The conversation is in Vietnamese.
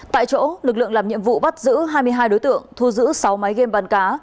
tại chỗ lực lượng làm nhiệm vụ bắt giữ hai mươi hai đối tượng thu giữ sáu máy game bắn cá